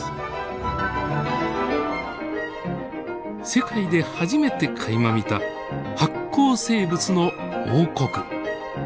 世界で初めてかいま見た発光生物の王国。